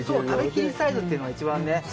食べきりサイズっていうのが一番ね。